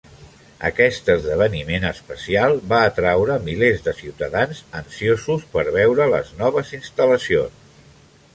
Aquest esdeveniment especial va atraure milers de ciutadans ansiosos per veure les noves instal·lacions.